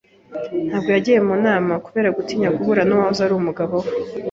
Ntabwo yagiye mu nama kubera gutinya guhura n'uwahoze ari umugabo we.